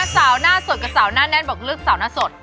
สาวหน้าสดกับสาวหน้าแน่นสาวหน้าโดยฤทธิ์